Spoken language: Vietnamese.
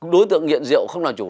đối tượng nghiện rượu không làm chủ